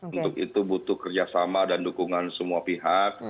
untuk itu butuh kerjasama dan dukungan semua pihak